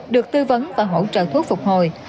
được tư vấn và hỗ trợ thuốc phục hồi